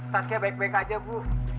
saskia baik baik saja bu